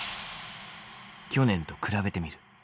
去年と比べてみる。